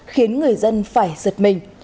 khiến người dân phải giật mình